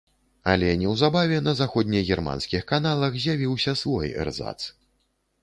Але неўзабаве на заходнегерманскіх каналах з'явіўся свой эрзац.